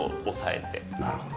なるほど。